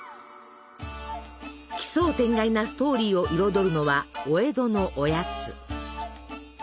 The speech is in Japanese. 奇想天外なストーリーを彩るのはお江戸のおやつ。